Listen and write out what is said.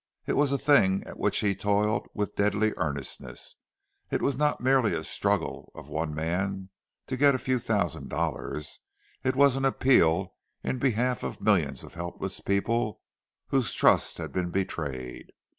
It was a thing at which he toiled with deadly earnestness; it was not merely a struggle of one man to get a few thousand dollars, it was an appeal in behalf of millions of helpless people whose trust had been betrayed.